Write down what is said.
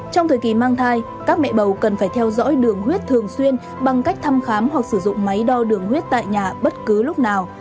trong thời kỳ mang thai các mẹ bầu cần phải theo dõi đường huyết thường xuyên bằng cách thăm khám hoặc sử dụng máy đo đường huyết tại nhà bất cứ lúc nào